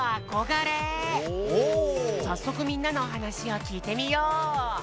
さっそくみんなのおはなしをきいてみよう！